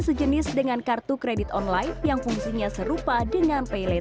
namun aplikasi ini sejenis dengan kartu kredit online yang fungsinya serupa dengan aplikasi yang lain